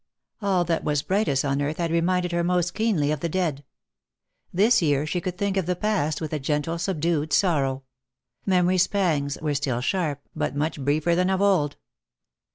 All that was brightest on earth had reminded her most keenly of the dead. This year she could think of the past with a gentle subdued sorrow; memory's pangs were still sharp, but much briefer than of old.